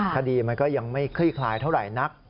คดีมันก็ยังไม่คลี่คลายเท่าไหร่นัก